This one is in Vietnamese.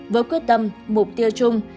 với quyết tâm mục tiêu chung